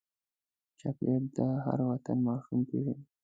چاکلېټ د هر وطن ماشوم پیژني.